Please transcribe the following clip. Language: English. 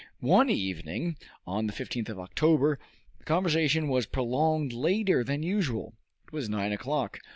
One evening, on the 15th of October, the conversation was prolonged later than usual. It was nine o'clock.